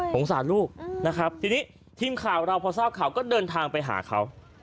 ผงสาดลูกทีนี้ทีมข่าวเราพอซ่าวข่าวก็เดินทางไปหาเขา